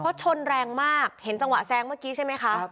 เพราะชนแรงมากเห็นจังหวะแซงเมื่อกี้ใช่ไหมคะ